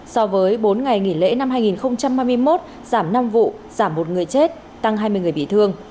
so với bốn ngày nghỉ lễ năm hai nghìn hai mươi một giảm năm vụ giảm một người chết tăng hai mươi người bị thương